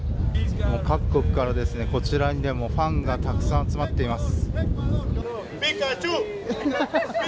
各国からこちらにファンがたくさん集まっています。